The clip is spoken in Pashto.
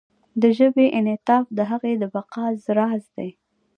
د ژبې انعطاف د هغې د بقا راز دی.